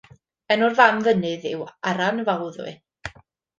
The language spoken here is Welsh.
Enw'r fam fynydd yw Aran Fawddwy.